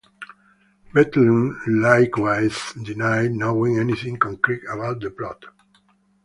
Bethlen likewise denied knowing anything concrete about the plot.